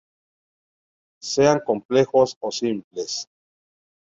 Sean complejos o simples.